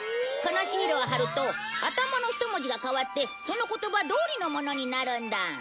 このシールを貼ると頭の一文字が変わってその言葉どおりのものになるんだ！